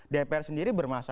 dpr sendiri bermasalah